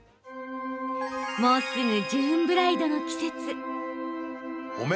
もうすぐジューンブライドの季節。